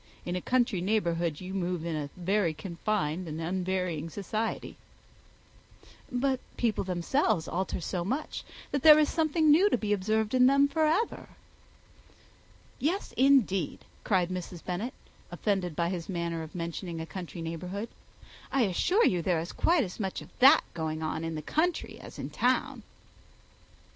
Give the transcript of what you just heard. In a country neighbourhood you move in a very confined and unvarying society." "But people themselves alter so much, that there is something new to be observed in them for ever." "Yes, indeed," cried Mrs. Bennet, offended by his manner of mentioning a country neighbourhood. "I assure you there is quite as much of that going on in the country as in town."